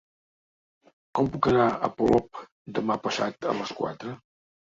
Com puc anar a Polop demà passat a les quatre?